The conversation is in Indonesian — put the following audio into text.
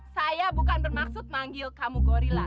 saya bukan bermaksud manggil kamu gorilla